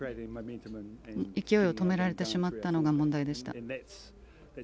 勢いを止められてしまったのが問題でした。